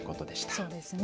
そうですね。